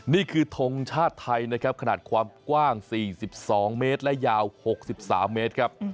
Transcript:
นี่คือทงชาติไทยนะครับขนาดความกว้าง๔๒เมตรและยาว๖๓เมตรครับ